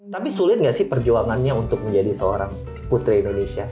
tapi sulit nggak sih perjuangannya untuk menjadi seorang putri indonesia